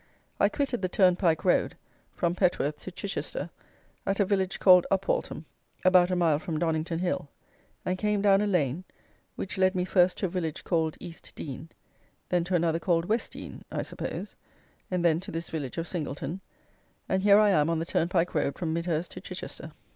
I quitted the turnpike road (from Petworth to Chichester) at a village called Upwaltham, about a mile from Donnington Hill; and came down a lane, which led me first to a village called Eastdean; then to another called Westdean, I suppose; and then to this village of Singleton, and here I am on the turnpike road from Midhurst to Chichester.